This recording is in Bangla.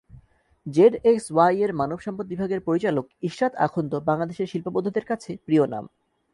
জেডএক্সওয়াইয়ের মানবসম্পদ বিভাগের পরিচালক ইশরাত আখন্দ বাংলাদেশের শিল্পবোদ্ধাদের কাছে প্রিয় নাম।